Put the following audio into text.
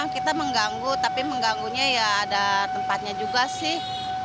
kita mengganggu tapi mengganggunya ya ada tempatnya juga sih